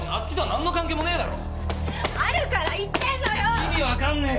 意味わかんねえよ！